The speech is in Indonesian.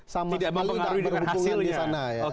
sama sekali tidak berhubungan di sana